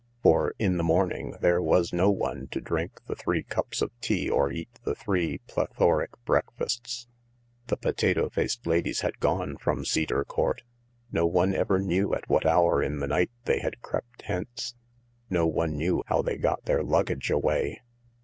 For in the morning there was no one to drink the three cups of tea or eat the three plethoric breakfasts. The potato faced ladies had gone from Cedar Court. No one ever knew at what hour in the night they had crept hence ; no one knew how they got their luggage away.